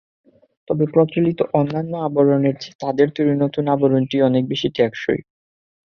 তবে প্রচলিত অন্যান্য আবরণের চেয়ে তাঁদের তৈরি নতুন আবরণটি অনেক বেশি টেকসই।